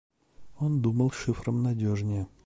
Он думал, шифром надежнее.